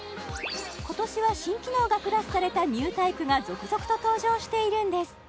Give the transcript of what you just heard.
今年は新機能がプラスされたニュータイプが続々と登場しているんです